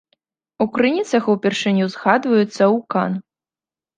У крыніцах упершыню згадваюцца ў кан.